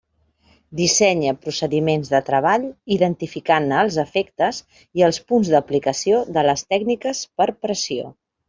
Dissenya procediments de treball identificant-ne els efectes i els punts d'aplicació de les tècniques per pressió.